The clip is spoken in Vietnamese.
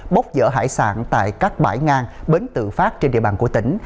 bốc dở hải sản tại các bãi ngang bến tự phát trên địa bàn của tỉnh